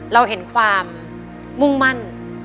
เราเห็นความมุ่งมั่น